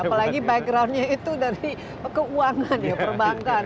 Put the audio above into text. apalagi backgroundnya itu dari keuangan ya perbankan